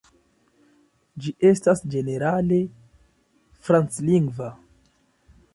Ĝi estas ĝenerale franclingva.